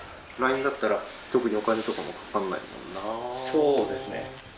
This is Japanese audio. そうですね。